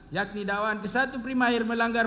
yakni dakwaan ke satu primair melanggar